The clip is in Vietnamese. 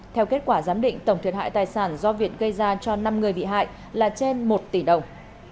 theo kết quả giám định tổng thiệt hại tài sản do việt gây ra cho năm người bị hại là trên một tỷ đồng